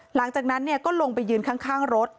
หลังจากนั้นก็ลงไปยืนข้างรถ